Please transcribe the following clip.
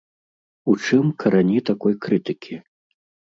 У чым карані такой крытыкі?